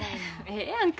ええやんか。